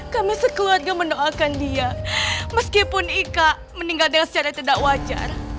kami sekeluarga mendoakan dia meskipun ika meninggalnya secara tidak wajar